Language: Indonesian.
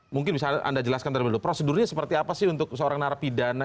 mungkin bisa anda jelaskan terlebih dulu prosedurnya seperti apa sih untuk seorang narapidana